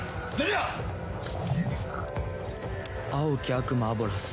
「青き悪魔アボラス。